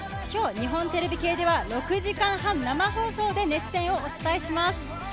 今日、日本テレビ系では６時間半、生放送で熱戦をお伝えします。